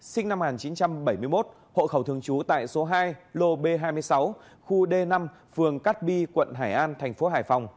sinh năm một nghìn chín trăm bảy mươi một hộ khẩu thường trú tại số hai lô b hai mươi sáu khu d năm phường cát bi quận hải an thành phố hải phòng